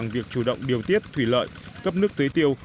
bằng việc chủ động điều tiết thủy lợi cấp nước tưới tiêu